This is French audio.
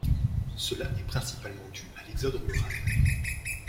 Cela est principalement dû à l'exode rural.